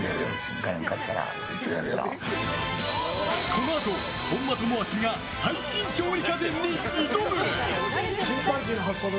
このあと本間朋晃が最新調理家電に挑む！